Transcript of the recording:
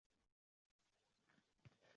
“Xalqchil davlat” milliy dasturi qabul qilinadi.